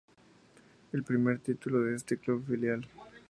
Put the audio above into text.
El primer título de este club filial.